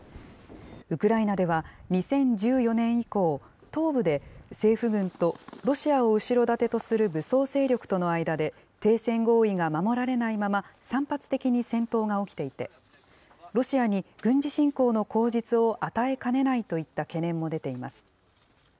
ウクライナでは、２０１４年以降、東部で政府軍とロシアを後ろ盾とする武装勢力との間で停戦合意が守られないまま、散発的に戦闘が起きていて、ロシアに軍事侵攻の口実を与えかねないといった懸念も出ています。